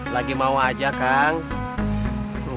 lagi mau aja kang